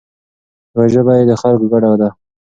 یوه ژبه یې د خلکو ګډه ده.